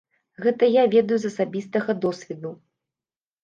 Гэта я ведаю з асабістага досведу.